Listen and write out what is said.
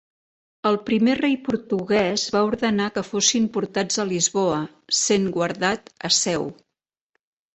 El primer rei portuguès va ordenar que fossin portats a Lisboa, sent guardat a Seu.